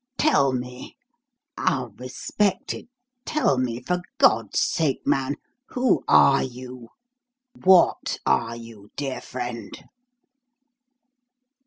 Tell me I'll respect it tell me, for God's sake, man, who are you? What are you, dear friend?"